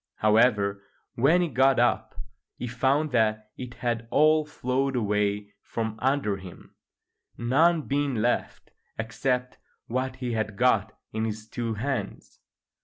However, when he got up he found that it had all flowed away from under him, none being left except what he had got in his two hands.